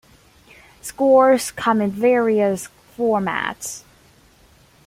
Scores come in various formats.